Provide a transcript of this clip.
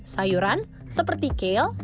sayuran seperti kale